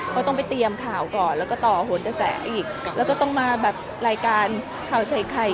เขาก็ต้องไปเตรียมข่าวก่อนแล้วก็ต่อแต่แสงแล้วก็ต้องมารายการเขาใช้ใคร